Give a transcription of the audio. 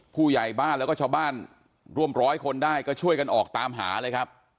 ผู้ใหญ่บ้านแล้วก็ชาวบ้านร่วมร้อยคนได้ก็ช่วยกันออกตามหาเลยครับ